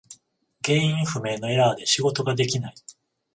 原因不明のエラーで仕事ができない。